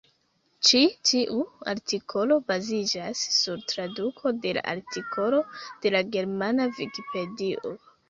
Ĉi-tiu artikolo baziĝas sur traduko de la artikolo de la germana vikipedio.